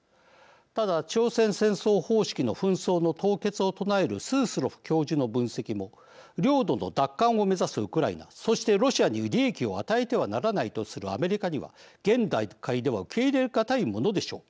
ただ、朝鮮戦争方式の紛争の凍結を唱えるスースロフ教授の分析も領土の奪還を目指すウクライナそしてロシアに利益を与えてはならないとするアメリカには、現段階では受け入れ難いものでしょう。